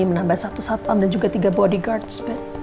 menambah satu satpam dan juga tiga bodyguards